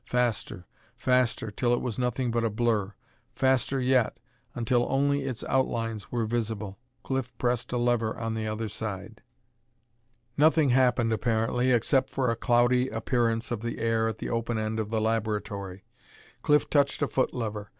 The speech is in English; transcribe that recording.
Faster, faster, till it was nothing but a blur. Faster yet, until only its outlines were visible. Cliff pressed a lever on the other side. Nothing happened apparently, except for a cloudy appearance of the air at the open end of the laboratory. Cliff touched a foot lever.